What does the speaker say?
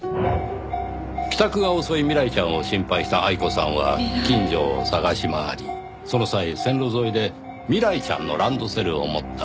帰宅が遅い未来ちゃんを心配した愛子さんは近所を捜し回りその際線路沿いで未来ちゃんのランドセルを持った不審な男を目撃した。